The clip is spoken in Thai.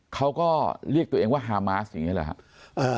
เขาก็เรียกตัวเองว่าฮามาสอย่างนี้แหละครับ